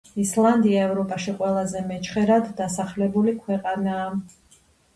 ისლანდია ევროპაში ყველაზე მეჩხერად დასახლებული ქვეყანაა.